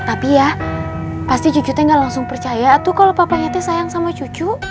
tapi ya pasti cucu saya gak langsung percaya tuh kalau papanya teh sayang sama cucu